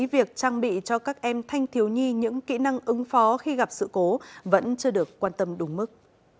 việc trang bị cho các em thanh thiếu nhi những kỹ năng ứng phó khi gặp sự cố vẫn chưa được quan tâm đúng mức